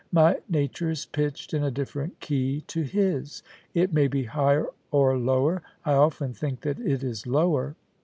My nature is pitched in a different key to his; it may be higher or lower — I often think that it is lower.